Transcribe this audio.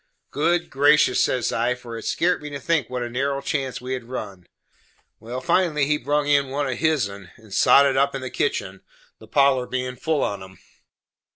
"Good gracious!" says I, for it skairt me to think what a narrow chance we had run. Well, finally, he brung in one of hisen, and sot it up in the kitchen, the parlor bein' full on 'em.